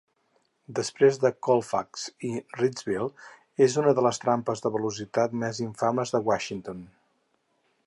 Després de Colfax i Ritzville, és una de les trampes de velocitat més infames de Washington.